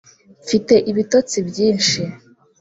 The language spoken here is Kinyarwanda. mfite ibitotsi byinshi